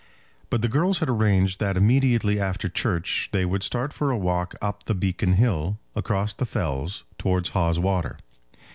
But the girls had arranged that immediately after church they would start for a walk up the Beacon Hill, across the fells, towards Hawes Water.